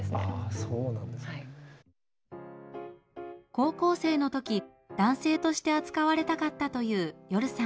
高校生の時男性として扱われたかったというヨルさん。